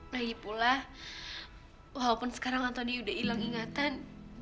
lagipula walaupun sekarang antonia udah hilang ingatan